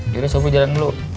jadi sobri jalan dulu